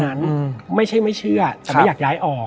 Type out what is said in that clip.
อืมอืมไม่ใช่ไม่เชื่อครับแต่ไม่อยากย้ายออก